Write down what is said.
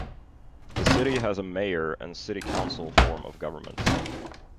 The city has a mayor and city council form of government.